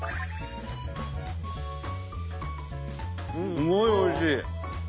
すごいおいしい。